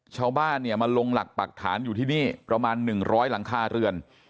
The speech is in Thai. ชาวบ้านเนี่ยมาลงหลักปักฐานอยู่ที่นี่ประมาณ๑๐๐หลังคาเรือน